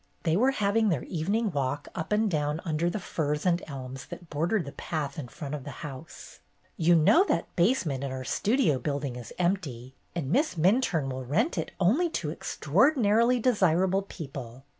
They were having their evening walk up and down under the firs and elms that bordered the path in front of the house. "You know that the basement in our Studio building is empty, and Miss Minturne will rent it only to extraordinarily desirable people.